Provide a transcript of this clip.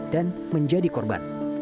dan menjadi korban